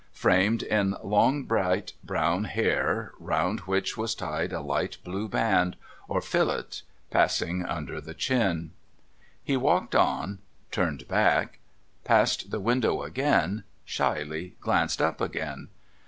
Framed in long bright brown hair, round which was tied a light blue band or fillet, passing under the chin. He walked on, turned back, passed the window again, shyly glanced up again.